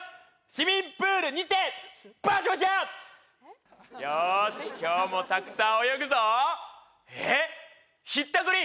「市民プールにて」バシャバシャよーし今日もたくさん泳ぐぞえっひったくり？